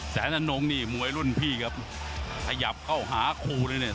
แสนอนงนี่มวยรุ่นพี่ครับขยับเข้าหาคู่เลยเนี่ย